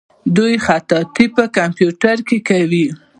دوی خطاطي په کمپیوټر کې کوي.